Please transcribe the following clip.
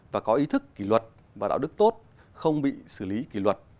và có ý thức kỷ luật và đạo đức tốt không bị xử lý kỷ luật